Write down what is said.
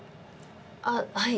あっはい。